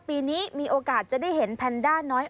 วันที่๑๒ปีนี้มีโอกาสจะได้เห็นแพนด้าน้อย